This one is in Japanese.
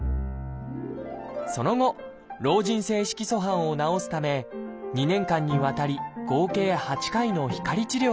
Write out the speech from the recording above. その後老人性色素斑を治すため２年間にわたり合計８回の光治療を受けました。